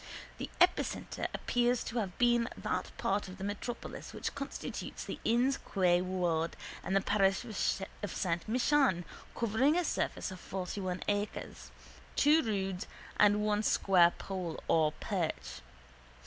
The epicentre appears to have been that part of the metropolis which constitutes the Inn's Quay ward and parish of Saint Michan covering a surface of fortyone acres, two roods and one square pole or perch.